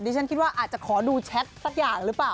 ฉันคิดว่าอาจจะขอดูแชทสักอย่างหรือเปล่า